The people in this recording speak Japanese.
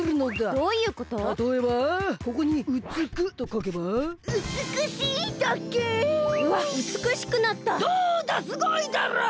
どうだすごいだろ！？